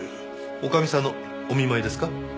女将さんのお見舞いですか？